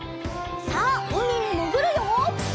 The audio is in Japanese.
さあうみにもぐるよ！